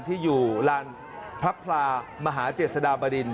ที่อยู่ลานพระพลามหาเจษฎาบดิน